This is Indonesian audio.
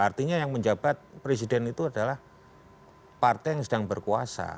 artinya yang menjabat presiden itu adalah partai yang sedang berkuasa